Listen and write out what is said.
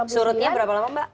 surutnya berapa lama mbak